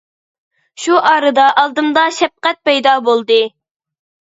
شۇ ئارىدا ئالدىمدا شەپقەت پەيدا بولدى.